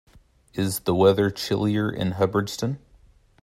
Is the weather chillier in Hubbardston